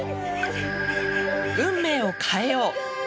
運命を変えよう。